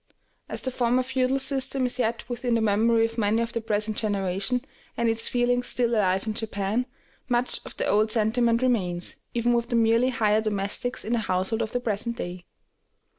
As the former feudal system is yet within the memory of many of the present generation, and its feelings still alive in Japan, much of the old sentiment remains, even with the merely hired domestics in a household of the present day.